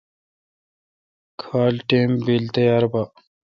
کھال ٹئم بل تیار با۔